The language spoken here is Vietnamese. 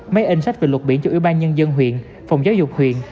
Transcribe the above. máy in sách về luật biển cho ủy ban nhân dân huyện phòng giáo dục huyện